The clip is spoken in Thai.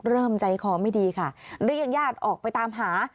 เริ่มใจคอไม่ดีค่ะเรียกญาติออกไปตามหา